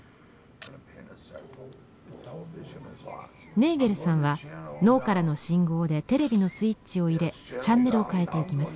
ネーゲルさんは脳からの信号でテレビのスイッチを入れチャンネルをかえていきます。